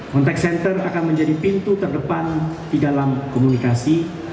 contact center akan menjadi pintu terdepan di dalam komunikasi